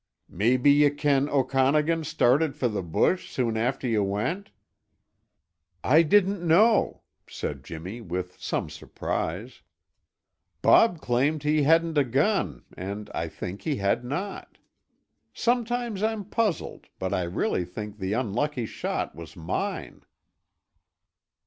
Maybe ye ken Okanagan started for the bush soon after ye went?" "I didn't know," said Jimmy with some surprise. "Bob claimed he hadn't a gun and I think he had not. Sometimes I'm puzzled, but I really think the unlucky shot was mine."